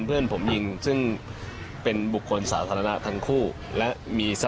อืมไม่รู้ว่า